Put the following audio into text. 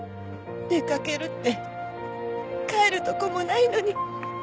出かけるって帰るとこもないのに。